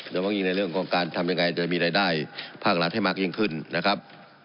แต่บางอย่างในเรื่องของการทำยังไงจะมีรายได้ภาคหลาดให้มากยิ่งขึ้นนะครับ